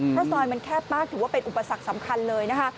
เพราะซอยมันแคบมากถือว่าเป็นอุปสรรคสำคัญเลยนะคะ